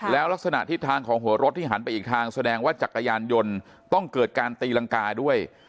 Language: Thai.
แล้วลักษณะทิศทางของหัวรถที่หันไปอีกทางแสดงว่าจักรยานยนต์ต้องเกิดการตีรังกาด้วย